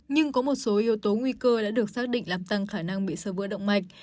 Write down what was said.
nhưng có một số yếu tố nguy cơ đã được xác định làm tăng khả năng bị sơ vữa động mạch